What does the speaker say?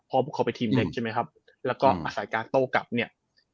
เพราะพวกเขาเป็นทีมเด็กใช่ไหมครับแล้วก็อาศัยการโต้กลับเนี่ย